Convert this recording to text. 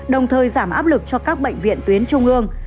đồng thời giảm áp lực cho các bệnh viện tuyến trung ương